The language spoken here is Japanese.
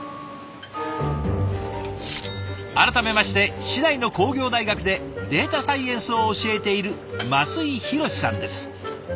改めまして市内の工業大学でデータサイエンスを教えている升井洋志さんです。